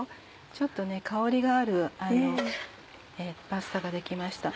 ちょっと香りがあるパスタが出来ました。